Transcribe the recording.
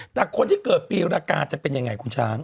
แต่คนที่เกิดปีรกาจะเป็นยังไงคุณช้าง